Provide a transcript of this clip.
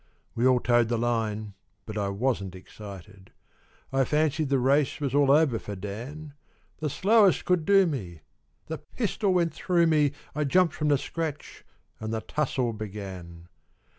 We all toed the line, but I wasn't excited, I fancied the race was all over for Dan; The slowest could do me the pistol went through me, I jumped from the scratch, and the tussle began.